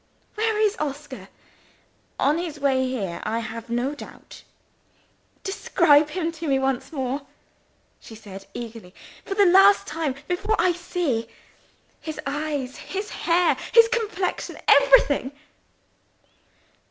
"Where is Oscar?" "On his way here, I have no doubt." "Describe him to me once more," she said eagerly. "For the last time, before I see. His eyes, his hair, his complexion everything!"